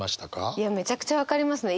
いやめちゃくちゃ分かりますね。